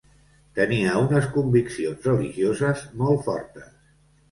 Tenia unes conviccions religioses molt fortes.